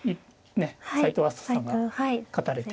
斎藤明日斗さんが勝たれて。